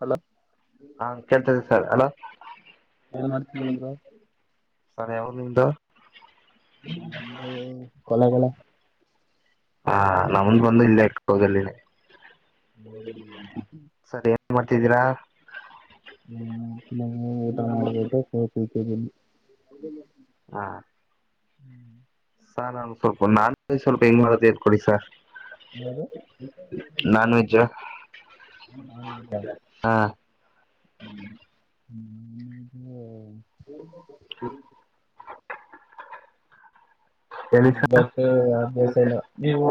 Hello ಹಾ ಕೇಳ್ತಿದ್ದ sir hello ಏನ್ ಮಾಡ್ತಿದೀರ ಬ್ರೋ ಸರ್ ಯಾವೂ ನಿಮ್ದು ನಂದು ಕೊಳ್ಳೇಗಾಲ ಹಾ ನಮ್ದು ಬಂದು ಇಲ್ಲೆ ಸರಿ ಏನ್ ಮಾಡ್ತೀರಾ ಊಟ ಮಾಡ್ಬಿಟ್ಟು ಕೂತಿ ಕೂತಿದೀನಿ ಹಾ [inaudible] ಸಾರ್ ನಾನು ಸ್ವಲ್ಪ ನಾನ್ ಸ್ವಲ್ಪ ಹೆಂಗ ಮಾಡದು ಹೇಳ್ ಕೊಡಿ ಸರ್. ಯಾವ್ದು ನಾನ್ ವೆಜ್ ಹಾ [inaudible] ಹ್ಮ ಹ್ಮ್ ಓ [inaudible] ಹೇಳಿ ಸರ್ ಬಸ್ ಅಭ್ಯಾಸ ಎಲ್ಲ ನೀವು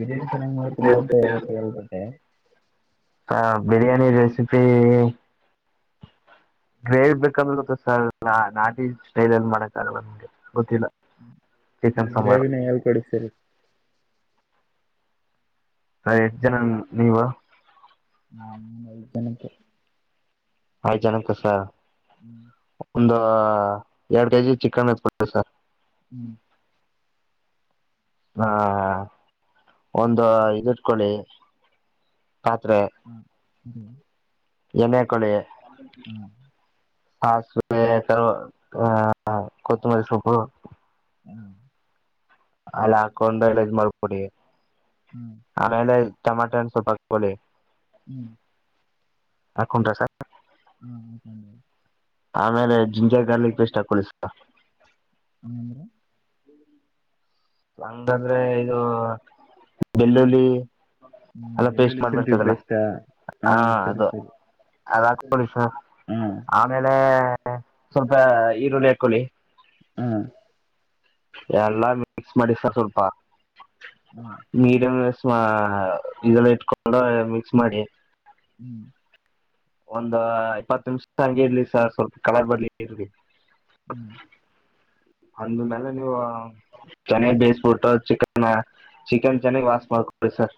ಬಿರಿಯಾನಿ ಚೆನ್ನಾಗ್ ಮಾಡ್ತಿರಿ ನಿ ರೆಸಿಪಿ ಗ್ರೇವಿ ಬೇಕಂದ್ರೆ ಸ ಸರ್ ನಾಟಿ ಸ್ಟೈಲ್ ಎಲ್ಲಿ ಮಾಡ ಸರ್ ಗ್ರೇವಿನೆ ಹೇಳ್ ಕೊಡಿ ಸರ್ ಸರ್ ಎಷ್ಟ ಜನ ನೀವು. ನಮ್ ಐದ್ ಜನಕ್ಕೆ ಐ ಜನಕ್ಕ ಸ ಹ್ಮ್ ಒಂದು ಎರಡು ಕೆಜಿ ಚಿಕನ್ ಇತ್ಬಟ್ಟ ಸರ್ [inaudible] ಹಾ ಹಾ ಒಂದು ಇದಿಟ್ಕೊಳ್ಳಿ ಪಾತ್ರೆ ಹ್ಮ್. ಎನೆ ಕೊಳ. ಹ್ಮ್ [inaudible] ಹಾಸ ಅ ಕೊತುಂಬಾರಿ ಸೊಪ್ಪು. ಅಲ್ಲಿ ಹಾಕೊಂಡು ಎಡಜ್ ಮಾಡ್ಕೊಡಿ. ಆಮೇಲೆ. ಟಮಾಟೋ ಸೊಪಾ ಹಾಕೊಳಿ. ಹ್ಮ್ ಹಕಂಟ ಸ ಹ್ಮ್ ಹ್ಮ್ ಹ್ಮ್ ಆಮೇಲೆ ಜಿಂಜರ್ ಗಾರ್ಲಿಕ್ ಪೇಸ್ಟ್ ಹಾಕ್ಕೊಳಿ ಸ್ವಲ್ಪ. ಹ್ಮ್. ಹಂಗಾದ್ರೆ ಇದು [inaudible] ಬೆಳ್ಳುಳ್ಳಿ ಹ್ಮ್ ಎಲ್ಲ ಪೇಸ್ಟ್ ಬೆಳ್ಳುಳ್ಳಿ ಶುಂಠಿ ಮಾಡ್ಬಿಡ್ತದಲ್ಲ ಪೇಸ್ಟಾ ಹಾ ಹ ಸರಿ ಅದು ಸರಿ ಅದ ಹಾಕೊಳ್ಳಿ ಸ ಆಮೇಲೆ ಸ್ವಲ್ಪ ಈರುಳ್ಳಿ ಈಗ ಹಾಕ್ಕೊಳ್ಳಿ ಹಾ ಎಲ್ಲಾ ಮಿಕ್ಸ್ ಮಾಡಿ ಸರ್ ಸ್ವಲ್ಪ. ಹ್ಮ್ ಮೀಡಿಯಂ ಗೆ ರಸ್ಮ. ಹ ಇದೆಲ್ಲ ಇಟ್ಕೊಂಡು ಮಿಕ್ಸ್ ಮಾಡಿ. ಹ್ಞ. ಒಂದ ಇಪ್ಪತ್ತು ನಿಮಿಷ ತನಗೆ ಇರ್ಲಿ ಸರ್ ಸ್ವಲ್ಪ ಕಳರ್ ಬರ್ಲಿ ಇರ್ಲಿ ಹ್ಮ್. ಅಂದ್ಮೇಲೆ ನೀವು ಚನ್ನ ಬೇಯಸ್ಬಿಟ್ಟು ಚಿಕನ್. ಚಿಕನ್ ಚೆನ್ನಾಗಿ ವಸ್ ಮಾಡ್ಕೊಿ ಸರ್.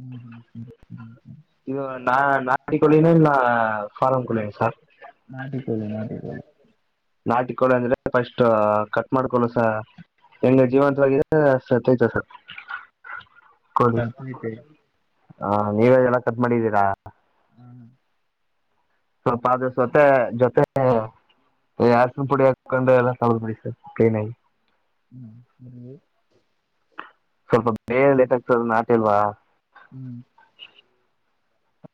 ಹ್ಮ್ ಹ್ಮ್ ಹ್ಮ್ ಹ್ಮ್. ಇದು ನಾ ನಾಟ ಕೊಳ್ಳಿನಾ. Form ಕೋಳಿನ sir ನಾಟಿಕೋಳಿ ನಾಟಿಕೋಳಿ. ನಾಟಿಕಳ ಅಂದ್ರೆ ಫಸ್ಟ್ ಕಟ್ ಮಾಡಕೊಳ್ಳುಸ ಹೆಂಗ ಜೀವಂತವಿದ ಸೈತ ಅದು. [unintelligible] ಹಾ ನೀವಲ್ಲ ಕಟ್ ಮಾಡಿದ್ದೀರಾ. ಹ. ಸ್ವಲ್ಪ ಅದು ಸತೆ ಜೊತೆ ಹಾ. ಏ ಪುಡಿ ಹಾಕು. ಉ ಕೊಂಡ ಎಲ್ಲ ಸವಲುಪಡಿ ಸರ್ ಕ್ಲೀನಾಗಿ. ಹ್ಮ ಸ್ವಲ್ಪ ಬೇರೆ ಲೇಟೆಗತ್ತದೆ ಆಗ್ತದ ನಾಟಿಲ್ವಾ ಹ್ಮ್.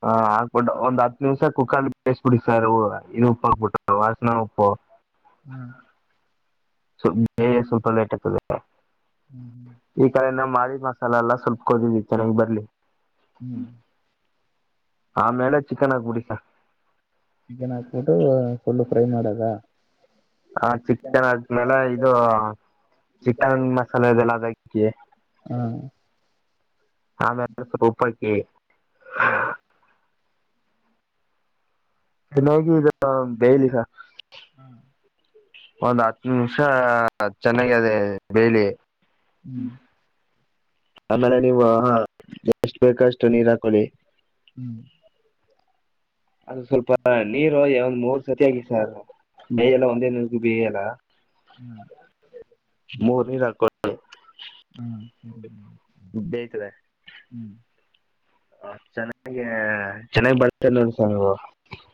ಹಾ ಹಾಕ್ಬಿಟ್ಟು ಒಂದ್ ಹತ್ತು ನಿಮ್ಸ ಕುಕ್ಕರ್ ಬೇಯಿಸಬಿಡಿ ಸರ್ ಇದು ಉಪ್ಪು ಹಾಕ್ಬಿಟ್ಟ ವಾಸನಾ ಉಪ್ಪು. ಹ್ಮ್. ಸ್ವಲ್ಪ ಬೇ ಸ್ವಲ್ಪ ಲೇಟ್ದೆ ಆಗ್ತದೆ. ಹ್ಮ್ ಹ್ಮ್ [inaudible] ಈ ಕಡೆ ನಾವು ಮಾಡಿದ್ ಮಸಾಲೆ ಎಲ್ಲ ಸ್ವಲ್ಪ ಕುದಿಲಿ ಚೆನ್ನಾಗ್ ಬರ್ಲಿ ಹ್ಮ್ ಆಮೇಲೆ ಚಿಕನ್ ಆಕ್ಬಿಡಿ ಸ ಚಿಕನ್ ಹಾಕ್ಬಿಟ್ಟು ಫುಲ್ಲು ಫ್ರೈ ಮಾಡದ. ಹಾ ಚಿಕನ್ ಆದ್ಮೇಲೆ ಇದು ಚಿಕನ್ ಮಸಾಲೆ ಇದೆಲ್ಲ ಅದಕಿ ಹಾ ಆಮೇಲೆ [unintelligible] ಹ್ಮ್ ಹ್ಮ್ ಚೆನ್ನಾಗಿ ಇದ ಬೇಯ್ಲಿ ಸರ್ [inaudible] ಒಂದ್ ಹತ್ತು ನಿಮಿಷ ಚೆನ್ನಾಗದೆ ಬೇಯ್ಲಿ. ಹ್ಮ್ ಆಮೇಲೆ ನೀವು ಎಷ್ಟು ಬೇಕಷ್ಟು ನೀರ್ ಹಾಕೊಳ್ಳಿ. ಹ್ಮ್ ಅದು ಸ್ವಲ್ಪ ನೀರು ಒಂದ್ ಮೂರ್ ಸರ್ತಿ ಆಗಿ ಸರ್ ಮೇಗೆಲ್ಲ ಒಂದೇ [unintelligible] ಬೇಯಲ್ಲ. ಹ್ಮ್. [unintelligible] ಹ್ಮ ಹ್ಮ. ಬೇಕ್ ಲೇ. ಅಷ್ಟ್ ಚೆನ್ನಾಗಿ ಚೆನ್ನಾಗ್ ಬರ್ತ್ಇಲ್ ನೋಡಿ ಸಾರ್ ನೀವು.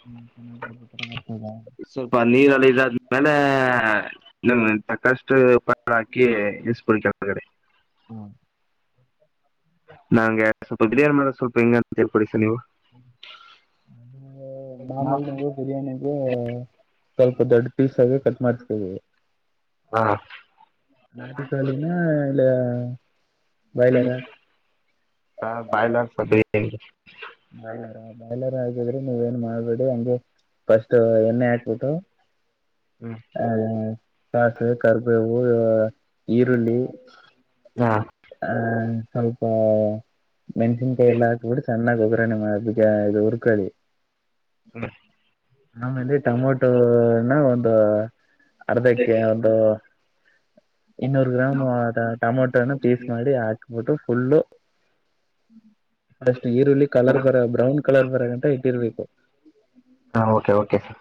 ಹ್ಮ್ ಚೆನ್ನಾಗಿ ಬರ್ತದಾ ಸ್ವಲ್ಪ ನೀರಲ್ ಇದಾದ್ಮೇಲೆ ಇನ್ನೊಂದ್ ನೆನಪಾಗ್ ಫಷ್ಟು ಪಕೋಡ ಹಾಕಿ ಇಳ್ಸ್ ಬಿಡಿ ಕೆಳಕ್ [unintelligible] ಹ್ಮ. ನಂಗೆ ಸ್ವಲ್ಪ ಬಿರ್ಯಾನಿ ಮಾಡದ್ ಸ್ವಲ್ಪ ಹೆಂಗ್ ಅಂತ ಹೇಳ್ಕೊಡಿ ಸಾರ್ ನೀವು. [unintelligible] ಮಾಮುಲ್ ನೀವು ಬಿರ್ಯಾನಿಗೇ ಸ್ವಲ್ಪ ದೊಡ್ ಪೀಸ್ ಆಗೇ ಕಟ್ ಮಾಡ್ಸ್ತಿವಿ. ಹಾ. ನಾಟಿಕಾಳಿನ ಇಲ್ಲಾ ಹಾ ಬಾಯ್ಲರ್ [unintelligible] ಬಾಯ್ಲರಾ, ಬಾಯ್ಲರ್ ಆಗಿದ್ರೆ ನೀವೇನು ಮಾಡ್ಬೇಡಿ ಹಂಗೆ ಫಸ್ಟ್ ಎಣ್ಣೆ ಹಾಕ್ಬಿಟ್ಟು ಹ್ಮ್ ಆ ಸಾಸು ಕರ್ಬೇವು ಈರುಳ್ಳಿ ಹಾ ಹ್ಮ ಸ್ವಲ್ಪ ಹಾ ಮೆಣಸಕಾಯಿ ಎಲ್ಲಾ ಹಾಕುದ್ರೇ ಚೆನ್ನಹೋಗತ್ತೆ ಮ್ಮ ಅದಕ ಅದು ಹುರ್ಕೊಳ್ಳಿ ಹ್ಮ್ ಆಮೇಲೆ ಟಮೊಟೋನ ಒಂದು ಅರ್ಧಕ್ಕೆ ಹಾ ಒಂದು. ಇನ್ನೂರ್ ಗ್ರಾಮ್ ಟೊಮೊಟೋನ ಪೀಸ್ ಮಾಡಿ ಹಾಕಬೇಕು ಅಪ್ಪಟ ಸುಳ್ಳು ಅಷ್ಟೇ ಈರುಳ್ಳಿ ಕಲರ್ ಬರ ಬ್ರೌನ್ ಕಲರ್ ಬರ ಗಂಟ ಇಟ್ಟೀರೀ ಹಾ okay okay sir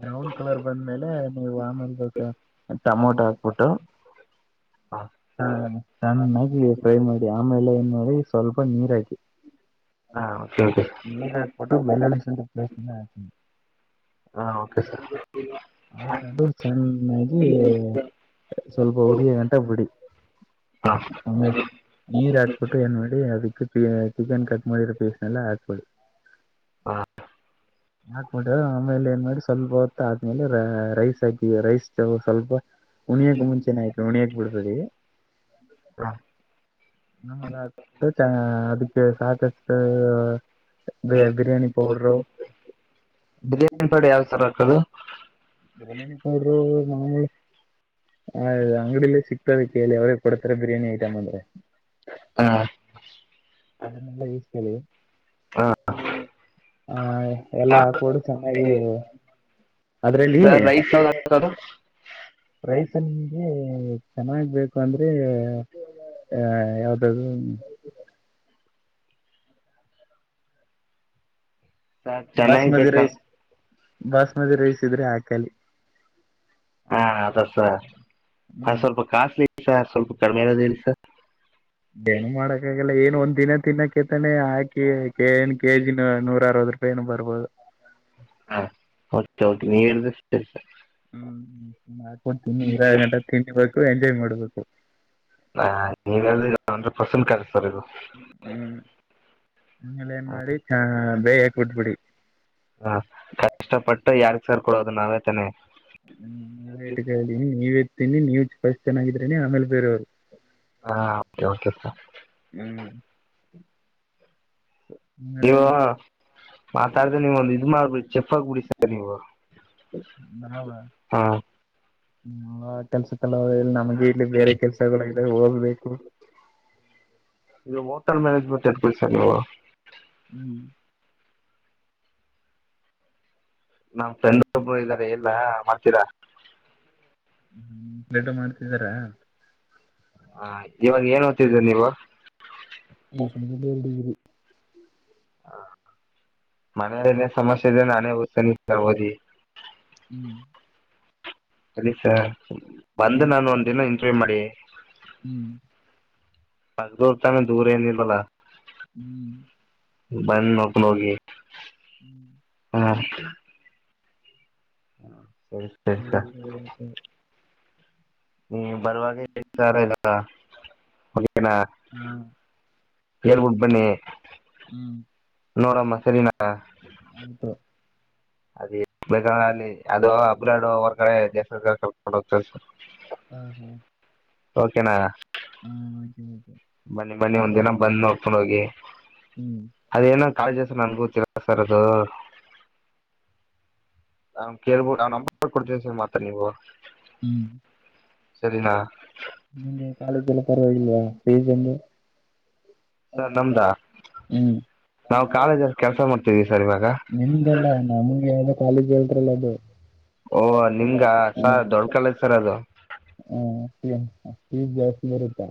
brown colour ಬಂದ್ಮೇಲೆ ನೀವು ಅಮೆಲ್ ಬೇಕಾದ್ರೆ ಹ ಟಮೋಟಾ ಒಟ್ಟು ಹಾ ಚೆನ್ನಾಗಿ ಫ್ರೈ ಮಾಡಿ ಆಮೇಲೆ ಏನ್ ಮಾಡಿ ಸ್ವಲ್ಪ ನೀರ ಹಾಕಿ. ಹಾ ಓಕೆ ಓಕೆ ನಿರ್ಹಾಕ್ಬಿಟ್ಟು ಬಾನ್. ರಿಕ್ವೆಸ್ಟ್ ಹ ಓಕೆ ಸರ್ ಹಾಕೊಂಡು ಚೆನ್ನಾಗಿ ಸ್ವಲ್ಪ ಉರಿಯ ಗಂಟ ಬಿಡಿ ಹಾ ಆ ನೀರ್ ಹಾಕ್ಬಿಟ್ಟು ಏನ್ ಮಾಡಿ ಅದಕ್ಕೆ ಚಿಕನ್ ಕಟ್ ಮಾಡಿರ. ಎಲ ಹಾಕ್ಬಡಿ ಹಾ ಹಾಕ್ಬಿಟ್ಟ ಆಮೇಲೆ ಏನ್ ಮಾಡಿ ಸ್ವಲ್ಪ ಹೊತ್ತ ಆ ರೈಸ್ ಹಾಕಿದ್ರೆ ರೈಸ್ ಸ್ವಲ್ಪ ಉಣಿಯಕ್ ಮುಂಚೆನೆ ಆಯ್ತ ಉಣಿಯಾಕ್ ಬಿಡಬೇಡಿ ಹಾ ಅದಕ್ಕೆ ಸಾಕಷ್ಟ ಬಿರಿಯಾನಿ ಪೌಡರು ಬಿರಿಯಾನಿ ಪೌಡರ್ ಯಾವ ಸರ್ ಹಾಕೋದು ಬಿರಿಯಾನಿ ಪೌಡರು ಅದು ಅಂಗಡಿಲ್ಲೇ ಸಿಗ್ತದೆ ಕೇಳಿ ಅವ್ರಿಗೆ ಕೊಡತ್ತಾರೆ ಬಿರಿಯಾನಿ ಐಟಮ್ ಅಂದ್ರೆ. ಹಾ.... ಅದನ್ನೆಲ್ಲ ಇಸ್ಕೊಳ್ಳಿ ಹಾ ಹಾ ಎಲ್ಲ ಹಾಕ್ಬಿಟ್ಟು ಚೆನ್ನಾಗಿ ಅದ್ರಲ್ಲಿ ಸರ್ ರೈಸ್ ಯಾವ್ದು ಹಾಕೋದು ರೈಸನ್ ಹಾ ನಿಮಗೆ ಚೆನ್ನಾಗ್ ಬೇಕು ಅಂದ್ರೆ ಅ ಯಾವ್ದದ್ದು ಸರ್ ಚೆನ್ನಾಗಿ ಬಾಸುಮತಿ ಬೇಕಾ ರೈಸ್ ಬಾಸುಮತಿ ರೈಸ್ ಇದ್ರೆ ಹಾಕಲಿ ಹಾ ಅದಸ ಅ ಹ್ಮ್ ಸ್ವಲ್ಪ ಕಾಸ್ಟ್ಲಿ ಸರ್ ಸ್ವಲ್ಪ ಕಡಿಮೆ ಇರೋದ ಇಲ್ಲ ಸರ್ ಡೆನ್ ಮಾಡಕ್ಕ ಆಗಲ್ಲ ಏನ್ ಒಂದ ದಿನ ತಿನ್ನಕ್ಕೆ ಕೆಏನ್ ಕೆಜಿ ನೂರ ಅರವತ್ತು ರೂಪಾಯಿ ಬರುತ್ತೇ [unintelligible] ಹಾ ಹೊತ್ ಹೊತ್ಗ್ ನೀರ್ [unintelligible] ಹ್ಮ್ [unintelligible] [unintelligible] ಇರಗಂಟ ತಿನ್ಬೇಕು ಎಂಜಾಯ್ ಮಾಡ್ಬೇಕು ಫಸನ್ ಕರಸ್ತಾರ್ ಇವ್ರು. ಹ್ಮು. ಆಮೇಲ್ ಏನ್ ಮಾಡಿ ಚಾ ಬೇಯಕ್ ಬಿಟ್ಬುಡಿ. ಸೇರ್ಕೊಳೋದು ನಾವೇ ತಾನೆ? ಹ್ಮು ರೇಟ್ ಇದೆ ಅಲ್ಲಿ ನೀವೇ ತಿನ್ನಿ ನೀವ್ ಚ್ ಫಷ್ಟ್ ಚನ್ನಾಗಿದ್ರೇನೆ ಆಮೇಲ್ ಬೇರೆವ್ರು. ಹಾ [unintelligible] ಆಮೇಲೆ ನೀವೂ ಮಾತಾಡ್ದೆನೆ ನೀವೊಂದ್ ಇದ್ ಮಾಡ್ಬಿಡಿ ಚೆಕ್ ಹಾಕ್ಬಿಡಿ ಸಾರ್ ನೀವು, ಹಾ [unintelligible] ಕೆಲ್ಸತಲ್ಲಾ ಇಲ್ ನಮ್ಗೆ ಇಲ್ಲಿ ಬೇರೆ ಕೆಲಸಗಳ್ ಐದಾವ್ ಹೋಗ್ಬೇಕು ಇದು ಮೋಟಲ್ ಮ್ಯಾನೇಜ್ಮೆಂಟ್ ಎತ್ಕೊಳಿ ಸಾರ್ ನೀವು. ಹ್ಮ್. ನಮ್ ಫ್ರೆಂಡ್ ಒಬ್ರು ಇದಾರೆ ಹೇಳ್ಲಾ ಮಾಡ್ತೀರಾ? ಹ್ಮ [unintelligible] ಮಾಡ್ತಿದ್ದಾರೆ. ಆಯ್ತ್ ಇವಾಗ ಏನ್ ಓದ್ತಿದ್ದಿರ್ ನೀವು? [unintelligible] ಡಿಗ್ರೀ. ಹಾ. ಮನೇಲಿನ್ನೇನ್ ಸಮಸ್ಯೆ ಇದೇನಾ? [unintelligible] ಓದಿ ಹ್ಮು. ಬನ್ನಿ ಸಾರ್. ಬಂದ್ ನಾನ್ ಒಂದ್ ದಿನ ಇ ಟ್ರೈ ಮಾಡಿ ಹ್ಮು. ಬರ್ಬೋದ್ ತಾನೆ ದೂರ ಏನ್ ಇಲ್ವಲ್ಲ. ಹ್ಮೂ. ಬಂದ್ ನೋಡ್ಕೊಂಡ್ ಹೋಗಿ ಹ್ಮು. [unintelligible] ಹ. [unintelligible] ನೀ ಬರುವಾಗ [unintelligible] ಐದ್ ಸಾವ್ರ [unintelligible] ಹಾ [unintelligible] ಹೇಳ್ಬುಟ್ ಬನ್ನಿ, ಹ್ಮ್ ನೋಡಮ್ಮ ಸರಿನಾ? ಆಯ್ತು ಅದೇ ಬೆಗಾಲಿ ಅದು [unintelligible] ಸೇರಿಸು ಹ್ಮ ಹಾ ಓಕೆನಾ ಹಾ ಓಕೆ ಓೆ ಬನ್ನಿ ಬನ್ನಿ ಒಂದ್ ದಿನ ಬಂದ್ ನೋಡ್ಕೊಂಡ ಹೋಗಿ ಹ್ಮ್ ಅದ ಏನ ಕಳಜಾಸನ ಅನುಭವತ [unintelligible] ಕ್ಕರ್ದ [inaudible] ಕೇಳ್ಬು ನಂಬ ಕೊಡತ ಸಮ ತನಿವ [unintelligible] ಹ್ಮ್ [unintelligible] ಸರಿನಾ ನಿಗೆ [unintelligible] ಕಾಲೇಜು ಲ್ಲ ಪರವಾಗಿಲ್ವಾ ಫೇಜ್ಂದು ಸರ್ ನಮ್ದಾ ಹ್ಮ್ ನಾವು ಕಾಲೇಜಲ್ಲಿ ಕೆಲ್ಸ ಮಾಡ್ತೀವಿ ಸರ್ ಇವಾಗ ಕಾಲಿಿಕೇಲ್ಟಲದು [unintelligible] ಓಹ ನಿಮ್ಗ ಸರ ದೊಡ್ ಕಾಲಜು ಸರ್ ಅದು ಹ್ಮ ಫೀಸ್ ಜಾಸ್ತಿ ಬರುತ್ತಾ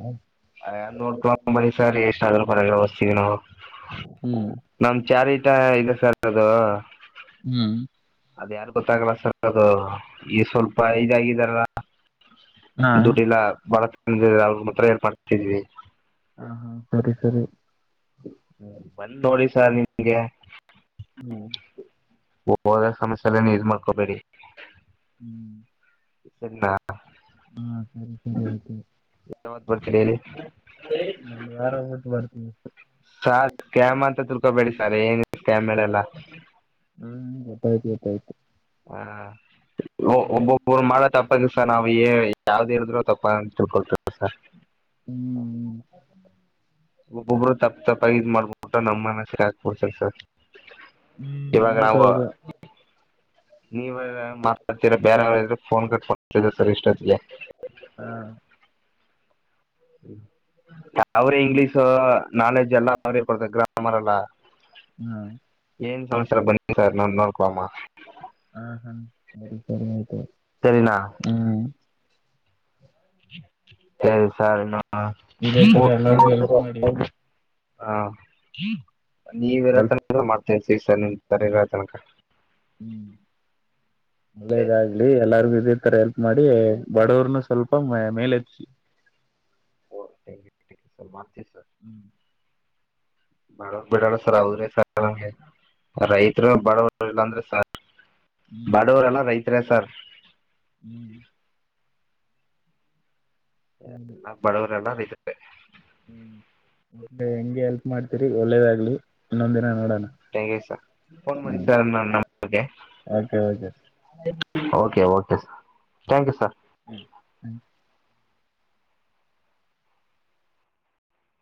ಅನ್ ನೋಡ್ಕೊಂಬನ್ನಿ ಸರ್ ಎಷ್ಟಾದ್ರರು ಪರವಾಗಿಲ್ಲ ವೋದುಸ್ತಿವಿ ನಾವು ಹ್ಮ್ ನಮ ಚಾರಿಟ ಇದೆ ಸರ್ ವಾ [unintelligible] ಹ್ಮ್ ಅದ ಯಾರ್ು ಗೊತ್ತಾಗಲ್ಲ ಸರ್ ಅದು ಈ ಸ್ವಲ್ಪ ಇದಾಗಿದಾರಲ್ಲ ಹಾ ಡುಡಿಲ್ಲ ಬರ [unintelligible] ಹತ್ರ ಏರ್ಪಡ್ತಿದ್ವಿ [unintelligible] ಹಾ ಹಾ ಸರಿ ಸರಿ ಹ್ಮ ಬಂದ ನೋಡಿ ಸರ್ ನಿಮ್ಗೆ ಹ್ಮ್ ಹೋದಾಗ ಸಮಸ್ಯೆಲ್ಲನ ಇದ ಮಾಡ್ಕೊಬೇಡಿ ಹ್ಞ [unintelligible] ಸರಿಾ [unintelligible] ಹಾ ಸರಿ ಸರಿ ಆಯ್ತು ಾವತ್ ಬರ್ತೀರಿಲ್ಲಿ ನಾನು ವಾರ ಬಿಟ್ಟು ಬರ್ತೀನಿ ಸ ಸ್ಕ್ಯಾಮ್ ಅಂತ ತಿರ್ಕೋಬೇಡಿ ಸರ್ ಏನ್ ಸ್ಕ್ಯಾಮ್ ಅಲ್ಲ ಹ್ಮ್ ಗೊತ್ತಾಯ್ತು ಗೊತ್ತಾಯ್ತು ಹಾ ಹ್ಮ್ ಒಬ್ಬೊೊರು ಮಳೆ ತಪ್ಪದು ಸರ್ ನಾ ಅವೇ [unintelligible] ಯಾವ್ದು ಹೇಳಿದ್ರು ತಪ್ಪ ತಿಳ್ಕೊಳ್ತರ ಸರ್ ಹ್ಮ್ ಹ್ಮ್ ಒಬ್ಬೊಬ್ರು ತಪ್ಪ ತಪ್ಪ ಇದಾಗ್ ಮಾಡ್ಬಿಟ್ಟ ನಮ್ಮ ಮನಸ್ಸ ಹಾಕ್ಬಿಡ್ತಾರೆ ಸರ್. ಹ್ಮ್ ಇವಾಗ ನಾವು ಹೌದೌದು ನೀವ ಮಾತಾಡ್ತೀರ ಬೇರೆವ್ರ್ಗ್ ಫೋನ್ ಕಟ್ ಕೆಲು ಸರ್ ಇಷ್ಟತ್ಗೆ. ಹಾ [inaudible] ಅವ್ರ ಇಂಗ್ಲೀಷು ನಾಲೆಡ್ಜ್ ಎಲ್ಲ ಅವರೆ ಕೊಡ್ತಾರ್ ಗ್ರಾಮರ್ ಎಲ್ಲ ಹ್ಮ. ಏನ್ ಸರ್ ಬನ್ನಿ ಸರ್ ನೋಡ್ಕೊಳಮ ಹಾ ಹ್ಮ ಬರಿ ಸರಿ ಆಯ್ತು. ಸರಿನಾ [unintelligible] ಹ್ಮ್ [inaudible] ಸರಿ ಸರ್ ಇನ್ನು ಇದೇ ಹ ತರ ಎಲ್ಲರಿಗೂ ಹೆಲ್ಪ್ ಮಾಡಿ [inaudible] ಹಾ ಆ ನೀವಿರ ಬಲ್ ತನ್ಕನು ಮಾಡ್ ಸರಿ [unintelligible] ತನಕ ಹ್ಮ್ ಒಳ್ಳೇದಾಗ್ಲಿ ಎಲ್ಲಾರಿಗು ಇದಿ ತರ ಹೆಲ್ಪ್ ಮಾಡಿ ಬಡವ್ರನ ಸ್ವಲ್ಪ ಮ ಮೇಲೆ ಎತ್ಸಿ. ಹ ಸರಿ [unintelligible] ಮಾಡ್ತೀನ್ ಹ್ಮ್ ಬಡ ಬಿಡಲ್ಲ ಸರ್ [unintelligible] ಸರ್ ನಮಗೆ ರೈತರು ಬಡವ್ರು ಇಲ್ಲ ಅಂದ್ರೆ ಸರ್ ಬಡವ್ರೆಲ್ಲ ರೈತ್ರೇ ಸರ್. ಹ್ಮ್ ಹ್ಮ್ ಎಲ್ಲ ಬಡವರೆಲ್ಲ ರೈ [inaudible] ಹ್ಮ್ ಮೆ ಹೆಂಗೆ ಎಲ್ಪ್ ಮಾಡ್ತೀರಿ ಒಳ್ಳೇದಾಗ್ಲಿ ಇನ್ನೊಂದಿನ ನೋಡೋಣ. ಸ ಫೋನ್ ಮಾಡಿ ಸರ್ ನನ್ ನಂಬರ್ ಗೆ okay okay okay okay sir thank you sir. ಹ್ಮ್ ಹ್ಮ್